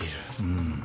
うん。